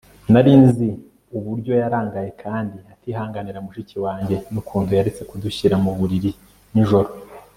nari nzi uburyo yarangaye kandi atihanganira mushiki wanjye, nukuntu yaretse kudushyira mu buriri nijoro